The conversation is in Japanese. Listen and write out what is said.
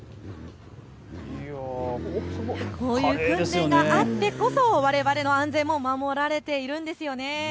こういう訓練があってこそわれわれの安全も守られているんですよね。